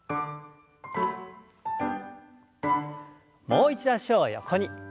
もう一度脚を横に。